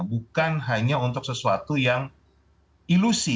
bukan hanya untuk sesuatu yang ilusi